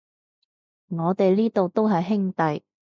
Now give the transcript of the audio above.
我哋呢度都係兄弟